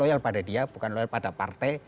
loyal pada dia bukan loyal pada partai